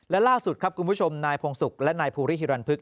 และล่าสุดครับคุณผู้ชมนายพงศุกร์และนายภูริฮิรันพึก